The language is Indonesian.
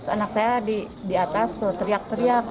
anak saya di atas tuh teriak teriak